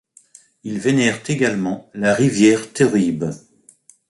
Ils vénèrent également la rivière Teribe.